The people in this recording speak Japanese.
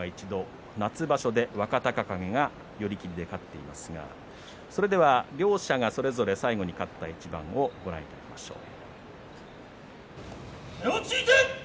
この１年は一度、夏場所で若隆景が寄り切りで勝っています。両者がそれぞれ最後に勝った一番をご覧いただきましょう。